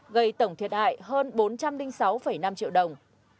gây tổng thiệt hại hơn bốn trăm linh sáu năm triệu đồng